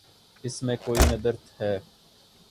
اس میں کوئی ندرت ہے۔